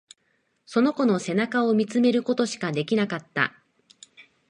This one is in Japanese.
その子の背中を見つめることしかできなかった。